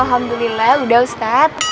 alhamdulillah udah ustadz